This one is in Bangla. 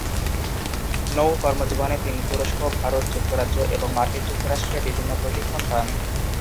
নৌ কর্মজীবনে তিনি তুরস্ক, ভারত, যুক্তরাজ্য এবং মার্কিন যুক্তরাষ্ট্রে বিভিন্ন প্রশিক্ষণ পান।